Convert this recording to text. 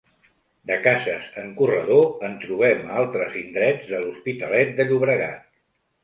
De cases en corredor en trobem a altres indrets de l'Hospitalet de Llobregat.